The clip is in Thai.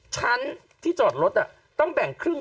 ชั้นที่จอดรถต้องแบ่งครึ่ง